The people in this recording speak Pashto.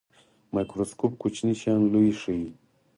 مایکروسکوپ کوچني شیان لوی ښيي